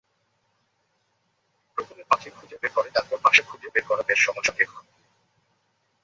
প্রথমে পাত্রী খুঁজে বের করে তারপর বাসা খুঁজে বের করা বেশ সময়সাপেক্ষ।